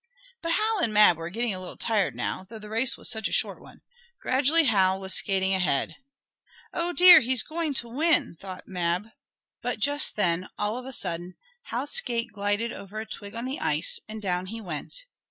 But Hal and Mab were getting a little tired now, though the race was such a short one. Gradually Hal was skating ahead. "Oh dear! He's going to win!" thought Mab, but, just then, all of a sudden, Hal's skate glided over a twig on the ice, and down he went.